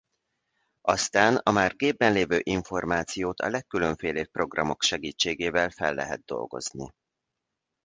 Aztán a már gépben lévő információt a legkülönfélébb programok segítségével fel lehet dolgozni.